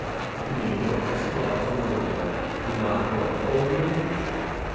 Il nido è situato su una rupe, un albero o un edificio.